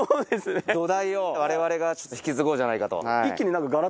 土台を我々が引き継ごうじゃないかと。